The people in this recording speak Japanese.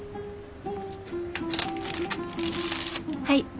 はい。